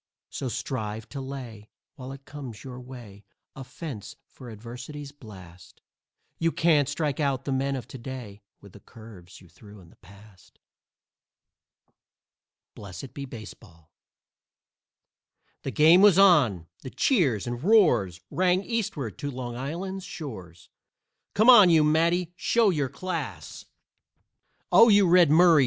So strive to lay, while it comes your way, A fence for Adversity's blast. You can't strike out the men of to day With the curves you threw in the past. BLESSED BE BASEBALL The game was on! The cheers and roars Rang Eastward to Long Island's shores; "Come on, you Matty show your class!" "Oh, you Red Murray!